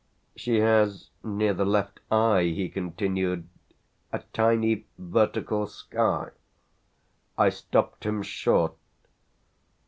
She has near the left eye," he continued, "a tiny vertical scar " I stopped him short.